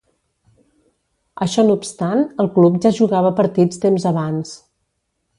Això no obstant, el club ja jugava partits temps abans.